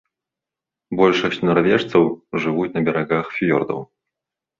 Большасць нарвежцаў жывуць на берагах фіёрдаў.